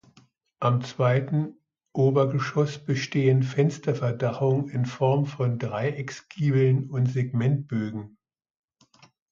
Am zweiten Obergeschoss bestehen Fensterverdachungen in Form von Dreiecksgiebeln und Segmentbögen.